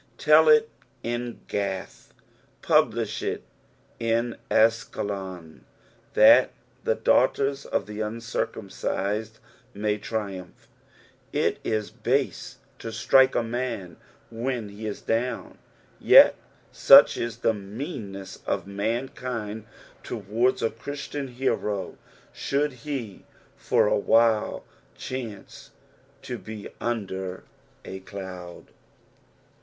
Tell it in Qath, publish it in AsKelnn, that the daughters of the uncircumcised may triumph. It is bnae to strike a man when he IS down, yet such is the meanness of mankind towards a Christian hero should he for awhile chance to be under a cloud.